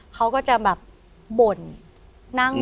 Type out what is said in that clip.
เขาก็จะแบบบ่น